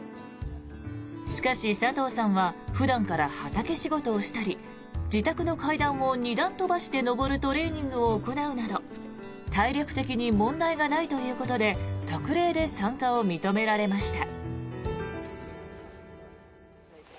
しかし、佐藤さんは普段から畑仕事をしたり自宅の階段を２段飛ばしで上るトレーニングを行うなど体力的に問題がないということで特例で参加を認められました。